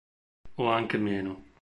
O anche meno.